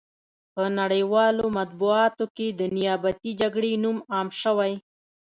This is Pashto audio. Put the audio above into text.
په نړیوالو مطبوعاتو کې د نیابتي جګړې نوم عام شوی.